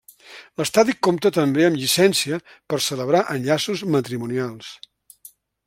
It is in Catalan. L'estadi compta també amb llicència per celebrar enllaços matrimonials.